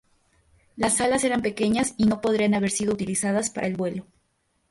Las alas eran pequeñas y no podrían haber sido utilizadas para el vuelo.